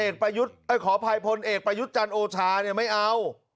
ขออภัยพลเอกประยุทธ์จันทร์โอชาเนี่ยไม่เอา